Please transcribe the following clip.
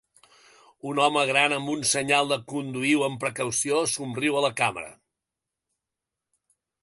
Un home gran amb un senyal de "conduïu amb precaució" somriu a la càmera.